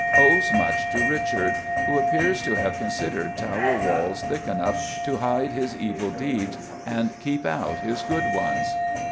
owes much to Richard, who appears to have considered Tower Walls thick enough to hide his evil deeds and keep out his good ones.